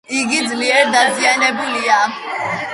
იგი ძლიერ დაზიანებულია.